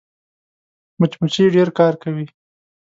مچمچۍ ډېر کار کوي